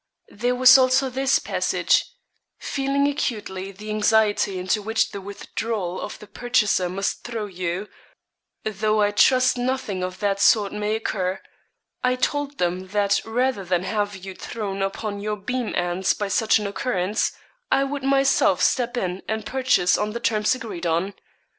There was also this passage, 'Feeling acutely the anxiety into which the withdrawal of the purchaser must throw you though I trust nothing of that sort may occur I told them that rather than have you thrown upon your beam ends by such an occurrence, I would myself step in and purchase on the terms agreed on.